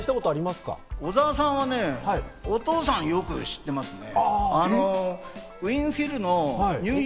小澤さんはね、お父さんをよく知ってますね。